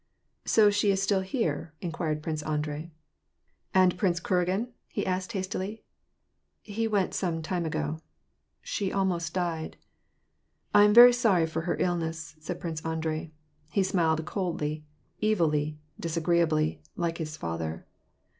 "So she is still here?" inquired Prince Andrei. "And Prince Kuragin ?" he asked hastily. "He went away some time ago. She almost died" —" I am very sorry for her illness," said Prince Andrei. He smiled coldly, evilly, disagreeably, like his father.